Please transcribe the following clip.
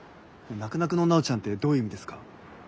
「なくなくの奈緒ちゃん」ってどういう意味ですか？